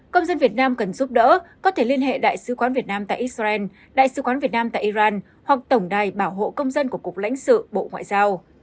công dân việt nam cần giúp đỡ có thể liên hệ đại sứ quán việt nam tại israel đại sứ quán việt nam tại iran hoặc tổng đài bảo hộ công dân của cục lãnh sự bộ ngoại giao